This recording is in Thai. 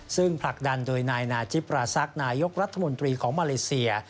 ซึ่งผลักดันโดยนายนาจิปราซักนายกรัฐมนตรีของมาเลเซีย